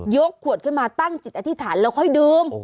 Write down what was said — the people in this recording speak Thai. กขวดขึ้นมาตั้งจิตอธิษฐานแล้วค่อยดื่ม